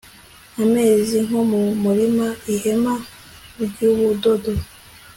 ameze nko mu murima ihema ry'ubudodo